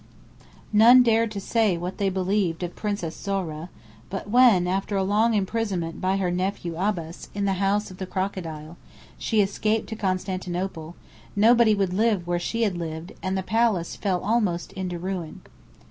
None dared to say what they believed of Princess Zohra, but when, after a long imprisonment by her nephew Abbas, in the House of the Crocodile, she escaped to Constantinople, nobody would live where she had lived, and the palace fell almost into ruin.